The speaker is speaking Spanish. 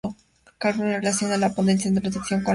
El cálculo relaciona el potencial de reducción con la redox.